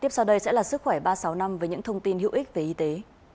tiếp sau đây sẽ là sức khỏe ba trăm sáu mươi năm với những thông tin hữu ích về y tế